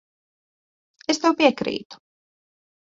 Es tev piekrītu.